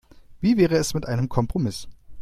Wie wäre es mit einem Kompromiss?